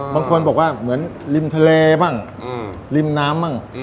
บางคนบอกว่าเหมือนริมทะเลบ้างริมน้ำบ้าง